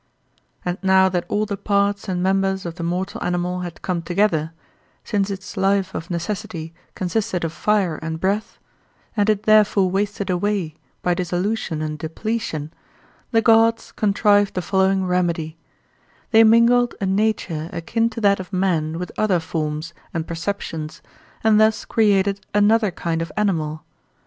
And now that all the parts and members of the mortal animal had come together, since its life of necessity consisted of fire and breath, and it therefore wasted away by dissolution and depletion, the gods contrived the following remedy: They mingled a nature akin to that of man with other forms and perceptions, and thus created another kind of animal.